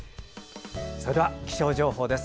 それでは気象情報です。